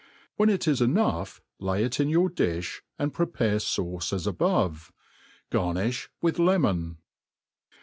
When ' it is enough, lay it in your diih, and prepare i^ce as above* Garnifli with lemon.